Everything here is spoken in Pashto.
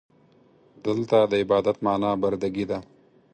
دلته د عبادت معنا برده ګي ده.